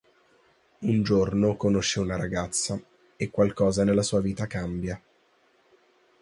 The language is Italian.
Un giorno conosce una ragazza e qualcosa nella sua vita cambia.